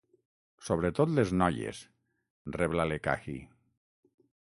Sobretot les noies —rebla l'Ekahi.